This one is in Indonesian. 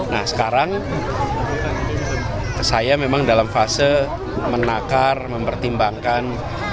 nah sekarang saya memang dalam fase menakar mempertimbangkan